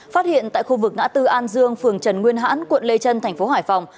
phát hiện tại khu vực ngã tư an dương phường trần nguyên hãn quận lê trân thành phố hải phòng